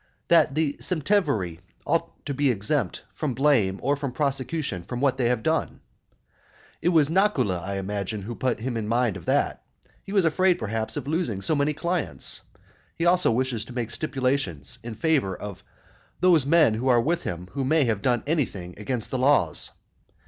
"That the septemviri are to be exempt from blame or from prosecution for what they have done." It was Nucula, I imagine, who put him in mind of that, he was afraid, perhaps, of losing so many clients. He also wishes to make stipulations in favour of "those men who are with him who may have done anything against the laws."